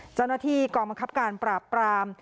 เจ้าหน้าที่กองบังคับการปราบปราม